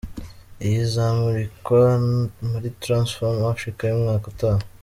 Iyi izamurikwa muri Transform Africa y’umwaka utaha.